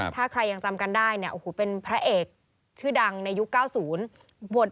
ถ้าใครยังจำกันได้เป็นพระเอกชื่อดังในยุค๙๐